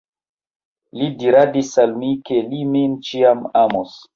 Li diradis al mi, ke li min ĉiam amos.